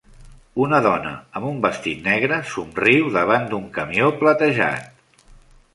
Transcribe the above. Una dona amb un vestit negre somriu davant d'un camió platejat.